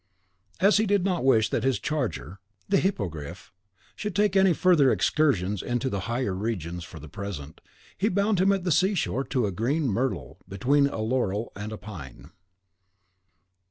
(As he did not wish that his charger (the hippogriff) should take any further excursions into the higher regions for the present, he bound him at the sea shore to a green myrtle between a laurel and a pine.)